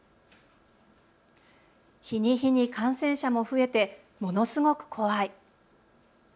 日に日に感染者も増えてものすごく怖い。